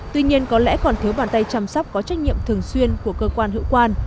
tuy nhiên có lẽ còn thiếu bàn tay chăm sóc có trách nhiệm thường xuyên của cơ quan hữu quan